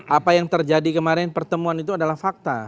apa yang terjadi kemarin pertemuan itu adalah fakta